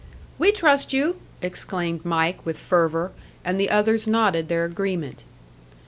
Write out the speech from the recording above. "We trust you!" exclaimed Mike, with fervour; and the others nodded their agreement.